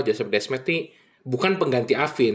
joseph desmet nih bukan pengganti afin